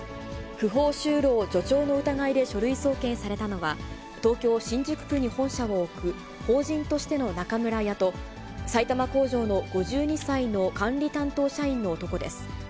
不法就労助長の疑いで書類送検されたのは、東京・新宿区に本社を置く法人としての中村屋と、埼玉工場の５２歳の管理担当社員の男です。